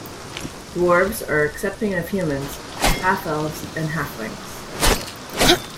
Dwarves are accepting of humans, half-elves and halflings.